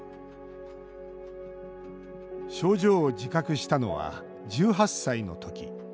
症状を自覚したのは１８歳の時。